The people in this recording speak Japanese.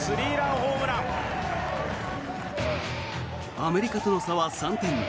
アメリカとの差は３点に。